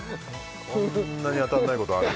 こんなに当たんないことある？